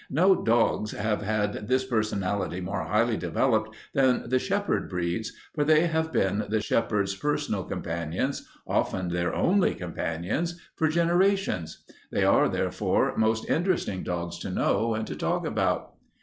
No dogs have had this personality more highly developed than the shepherd breeds, for they have been the shepherds' personal companions, often their only companions, for generations. They are, therefore, most interesting dogs to know and to talk about.